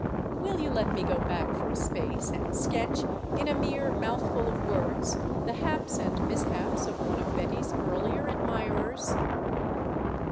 Will you let me go back for a space and sketch, in a mere mouthful of words, the haps and mishaps of one of Betty's earlier admirers?